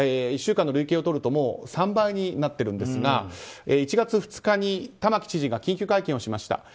１週間の累計をとると３倍になっているんですが１月２日に玉城知事が緊急会見をしました。